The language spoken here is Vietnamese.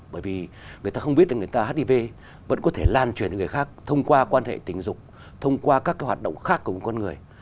bởi vì người ta không biết là người ta hiv vẫn có thể lan truyền đến người khác thông qua quan hệ tình dục thông qua các hoạt động khác của con người